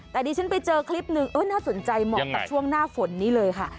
แต่ดิฉันไปเจอคลิปหนึ่งน่าสนใจเหมาะกับช่วงหน้าฝนนี้เลยค่ะ